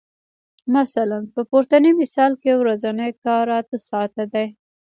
مثلاً په پورتني مثال کې ورځنی کار اته ساعته دی